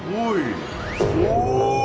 おい！